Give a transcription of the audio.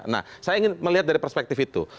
nah saya ingin melihat dari perspektif itu